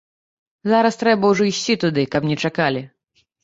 Зараз трэба ўжо ісці туды, каб не чакалі.